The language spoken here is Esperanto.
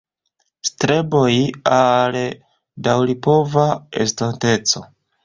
Streboj al daŭripova estonteco"".